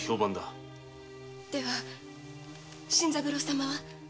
では新三郎様は。